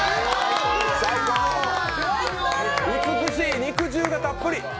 美しい、肉汁がたっぷり！